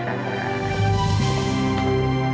sampai nanti ya